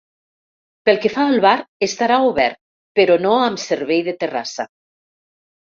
Pel que fa al bar, estarà obert però no amb servei de terrassa.